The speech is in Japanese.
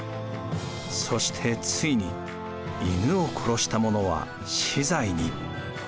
そしてついに犬を殺した者は死罪に。